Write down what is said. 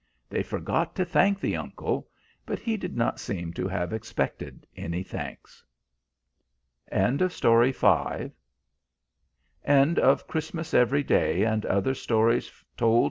They forgot to thank the uncle, but he did not seem to have expected any thanks. End of the Project Gutenberg EBook of Christmas Every Day and Other Stories, by W. D.